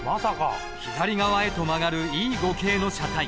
左側へと曲がるＥ５系の車体。